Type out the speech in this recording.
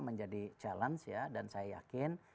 menjadi challenge ya dan saya yakin